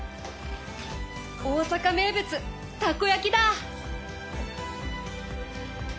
大阪名物たこやきだ。